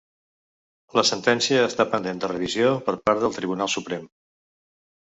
La sentència està pendent de revisió per part del Tribunal Suprem.